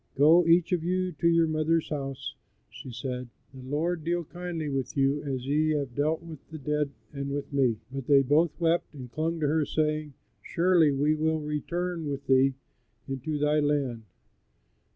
"Go, each of you, to your mother's house," she said; "the Lord deal kindly with you as ye have dealt with the dead and with me." But they both wept and clung to her, saying, "Surely we will return with thee into thy land."